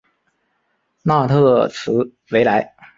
纳特兹维莱。